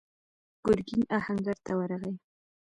ګرګين آهنګر ته ورغی.